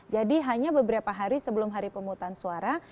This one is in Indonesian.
jadi hanya beberapa hari sebelum hari pemutan suara